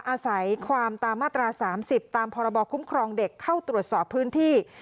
อาศัยความตามมาตรา๓๐ตามพรบคุ้มครองเด็กเข้าตรวจสอบพื้นที่